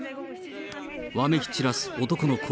わめきちらす男の声。